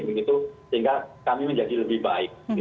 sehingga kami menjadi lebih baik